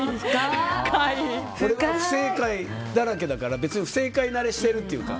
俺は不正解だらけだから別に不正解慣れしてるっていうか。